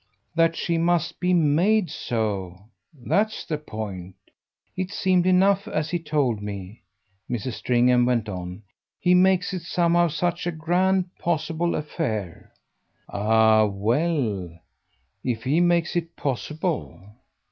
"That she must be MADE so that's the point. It seemed enough, as he told me," Mrs. Stringham went on; "he makes it somehow such a grand possible affair." "Ah well, if he makes it possible!"